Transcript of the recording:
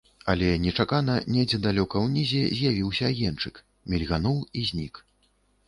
Але нечакана недзе далёка ўнізе з'явіўся агеньчык, мільгануў і знік.